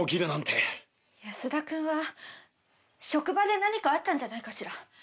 安田君は職場で何かあったんじゃないかしら？